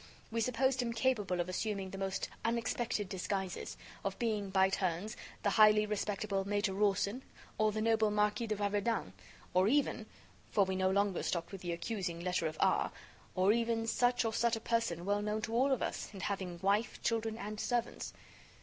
We supposed him capable of assuming the most unexpected disguises; of being, by turns, the highly respectable Major Rawson or the noble Marquis de Raverdan, or even for we no longer stopped with the accusing letter of R or even such or such a person well known to all of us, and having wife, children and servants.